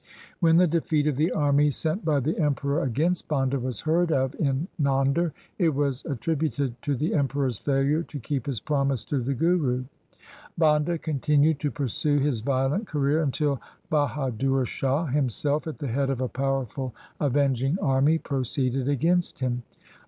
When the defeat of the army sent by the Emperor against Banda was heard of in Nander it was attri buted to the Emperor's failure to keep his promise to the Guru. Banda continued to pursue his violent career until Bahadur Shah, himself at the head of a powerful LIFE OF GURU GOBIND SINGH 251 avenging army, proceeded against him.